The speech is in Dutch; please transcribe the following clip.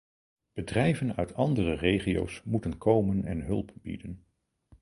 Bedrijven uit andere regio's moeten komen en hulp bieden.